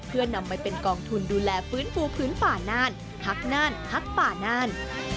เพื่อนำไปเป็นกองทุนดูแลฟื้นฟูพื้นป่าน่านพักน่านพักป่าน่าน